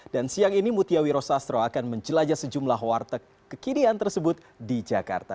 dan siang ini mutiawi rosastro akan menjelajah sejumlah warteg kekinian tersebut di jakarta